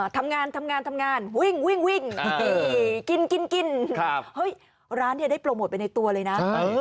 ทำงานทำงานทำงานวิ่งวิ่งกินกินเฮ้ยร้านเนี่ยได้โปรโมทไปในตัวเลยนะ